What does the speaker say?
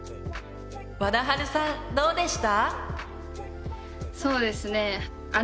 わだはるさんどうでした？